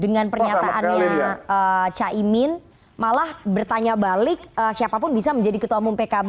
dengan pernyataannya caimin malah bertanya balik siapapun bisa menjadi ketua umum pkb